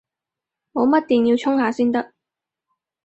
冇乜電，要充下先得